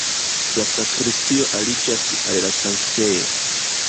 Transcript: La sakristio aliĝas al la sanktejo.